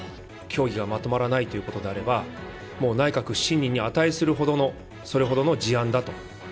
協議がまとまらないということであれば、もう内閣不信任に値するほどの、それほどの事案だと。